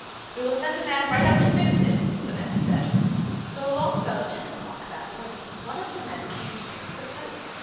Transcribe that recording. "We will send a man right up to fix it!" the men said. So along about ten o'clock that morning one of the men came to fix the pipe.